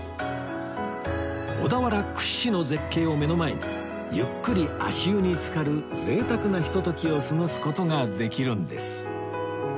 小田原屈指の絶景を目の前にゆっくり足湯につかる贅沢なひとときを過ごす事ができるんです